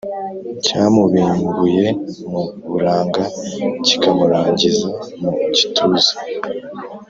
Cyamubimbuye mu buranga Kikamurangiza mu gituza,